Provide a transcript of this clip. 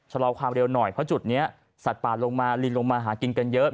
ชะลอความเร็วหน่อยเพราะจุดนี้สัตว์ป่าลงมาลิงลงมาหากินกันเยอะ